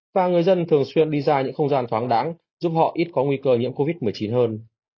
và người dân thường xuyên đi ra những không gian thoáng đáng giúp họ ít có nguy cơ nhiễm covid một mươi chín hơn